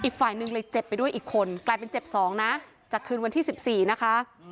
อีกฝ่ายหนึ่งเลยเจ็บไปด้วยอีกคนกลายเป็นเจ็บ๒นะจากคืนวันที่๑๔นะคะ